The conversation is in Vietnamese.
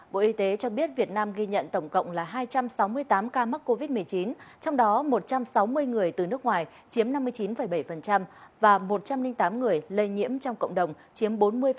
bộ y tế cho biết việt nam ghi nhận tổng cộng là hai trăm sáu mươi tám ca mắc covid một mươi chín trong đó một trăm sáu mươi người từ nước ngoài chiếm năm mươi chín bảy và một trăm linh tám người lây nhiễm trong cộng đồng chiếm bốn mươi